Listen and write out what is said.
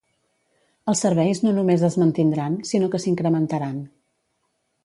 Els serveis no només es mantindran, sinó que s'incrementaran.